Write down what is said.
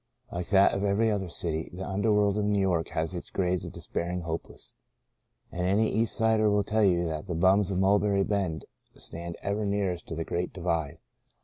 Like that of every other great city, the underworld of New York has its grades of despairing hopelessness. And any East Sider will tell you that the "bums" of Mulberry Bend stand ever nearest to the Great Divide.